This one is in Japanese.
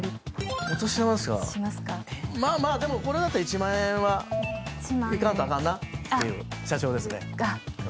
まあまあでもこれだったら１万円はいかんとあかんなっていう社長ですね。